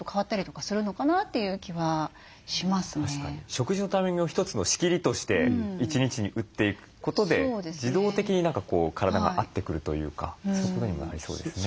食事のタイミングを一つの仕切りとして一日に打っていくことで自動的に体が合ってくるというかそういうふうにもなりそうですね。